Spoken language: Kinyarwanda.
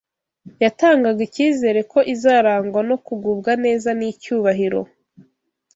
yatangaga icyizere ko izarangwa no kugubwa neza n’icyubahiro.